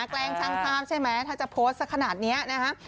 แกล้งช่างภาพใช่ไหมถ้าจะโพสต์สักขนาดนี้นะฮะ